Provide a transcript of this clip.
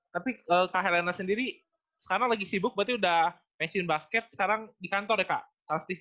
tapi kak helena sendiri sekarang lagi sibuk berarti udah pensiun basket sekarang di kantor ya kak tv